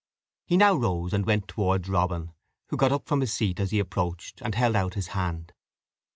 He now rose and went towards Robin, who got up from his seat as he approached, and held out his hand.